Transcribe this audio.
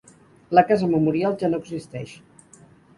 La casa memorial ja no existeix.